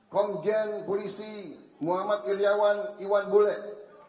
komjen polisi muhammad iryawan iwan bulet